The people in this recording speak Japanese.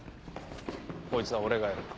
こいつは俺がやる。